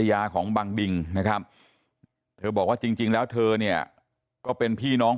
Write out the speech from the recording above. ยาของบังดิงนะครับเธอบอกว่าจริงแล้วเธอเนี่ยก็เป็นพี่น้อง